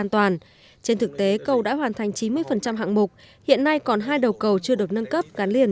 trên thực tế cầu đã hoàn thành chín mươi hạng mục hiện nay còn hai đầu cầu chưa được nâng cấp gắn liền